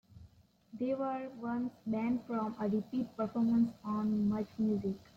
They were once banned from a repeat performance on Much Music.